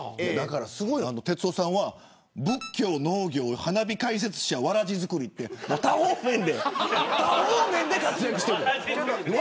哲夫さんは仏教、農業、花火解説者わらじ作りと多方面で活躍している。